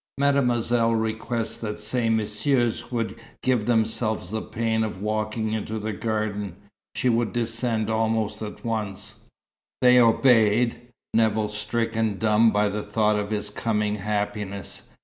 Mademoiselle requested that ces Messieurs would give themselves the pain of walking into the garden. She would descend almost at once. They obeyed, Nevill stricken dumb by the thought of his coming happiness.